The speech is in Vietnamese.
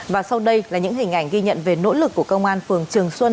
và sau đây là những hình ảnh ghi nhận về nỗ lực của công an phường trường xuân